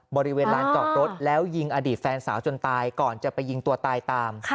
บริเวณลานจอดรถแล้วยิงอดีตแฟนสาวจนตายก่อนจะไปยิงตัวตายตาม